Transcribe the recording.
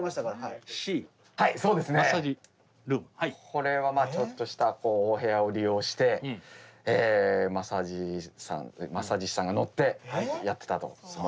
これはちょっとしたお部屋を利用してマッサージ師さんが乗ってやってたと思います。